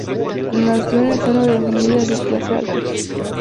Nació en el seno de familia de clase alta.